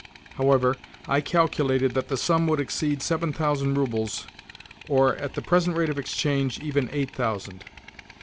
However, I calculated that the sum would exceed seven thousand roubles—or, at the present rate of exchange, even eight thousand.